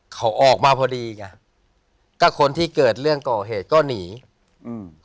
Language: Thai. เขาออกมาพอดีไงก็คนที่เกิดเรื่องก่อเหตุก็หนีอืม